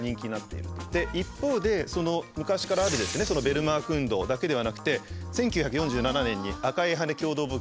一方で昔からあるそのベルマーク運動だけではなくて１９４７年に「赤い羽根共同募金」